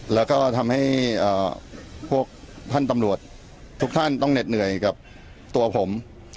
แล้วก็ทำให้พวกท่านตำรวจทุกท่านต้องเหน็ดเหนื่อยกับตัวผม